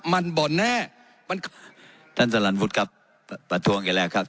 มันบ่อนแน่มันท่านสลันพุทธครับตัดท่วงอย่างแรกครับ